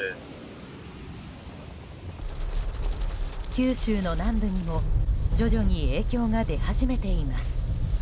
九州の南部にも徐々に影響が出始めています。